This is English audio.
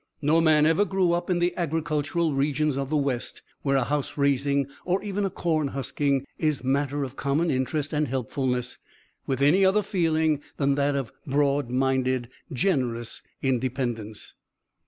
No man ever grew up in the agricultural regions of the West, where a house raising, or even a corn husking, is matter of common interest and helpfulness, with any other feeling than that of broad minded, generous independence.